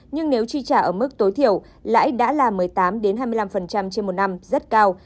nhưng nếu chi trả ở mức tối thiểu lãi đã là một mươi tám hai mươi năm trên một năm rất cao